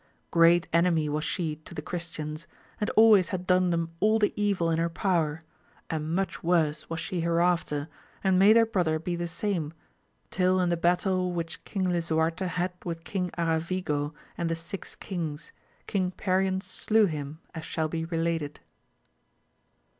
Great enemy was she to the Christians, and always had done them all the evil in her power, and much worse was she hereafter and made her brother be the same, till in the battle which King Lisuarte had with King Aravigo and the six kings, King Perion slew him as shall be related.